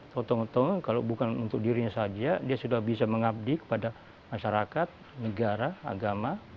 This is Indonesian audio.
tau tau kalau bukan untuk dirinya saja dia sudah bisa mengabdi kepada masyarakat negara agama